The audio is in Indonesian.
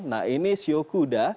nah ini siu kuda